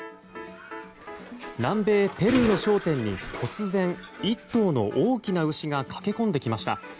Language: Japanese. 南米ペルーの商店に突然１頭の大きな牛が駆け込んできました。